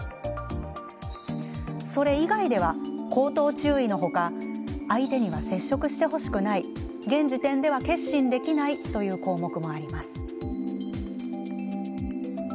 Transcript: それ以外では口頭注意の他相手には接触してほしくない現時点では決心できないという項目もあります。